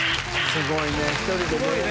すごいね。